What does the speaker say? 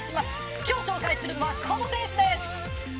今日紹介するのはこの選手です。